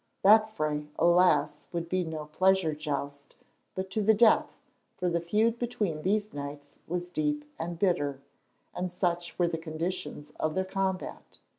That fray, alas! would be no pleasure joust, but to the death, for the feud between these knights was deep and bitter, and such were the conditions of their combat.